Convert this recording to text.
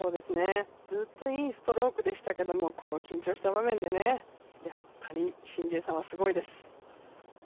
ずっといいストロークでしたけれども、この緊張した場面でやっぱりシン・ジエさんはすごいです。